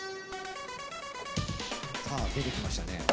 さあ出てきましたね。